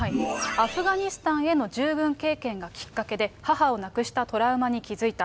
アフガニスタンへの従軍経験がきっかけで、母を亡くしたトラウマに気付いた。